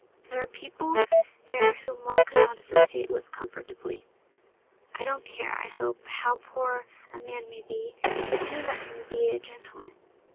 There are people there whom one could not associate with comfortably. I don't care, I hope, how poor a man may be, but do let him be a gentleman.